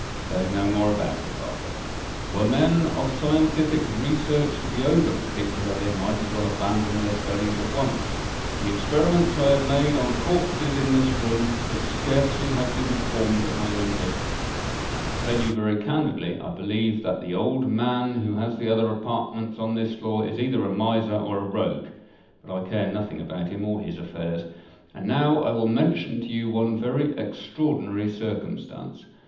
"Say no more about it, Arthur. Were men of scientific research to be over particular, they might as well abandon their studies at once. The experiments I have made on corpses in this room, could scarcely have been performed at my own residence; and, to tell you very candidly, I believe that the old man who has the other apartments on this floor, is either a miser or a rogue;—but I care nothing about him or his affairs. And now I will mention to you one very extraordinary circumstance.